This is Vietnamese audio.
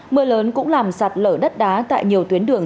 mưa lớn cũng làm sạt lở đất đá tại nhiều tuyến đường